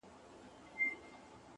يوې ملالي پسې بله مړه ده بله مړه ده